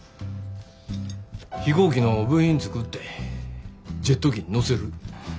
飛行機の部品作ってジェット機に載せる。